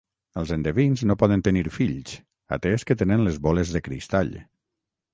Els endevins no poden tenir fills, atès que tenen les boles de cristall.